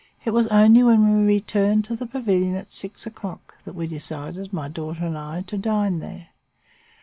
It was only when we returned to the pavilion at six o'clock, that we decided, my daughter and I, to dine there.